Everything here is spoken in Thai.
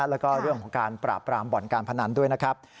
แล้วก็เรื่องของการปราบปรามบ่อนการพนันด้วยนะครับ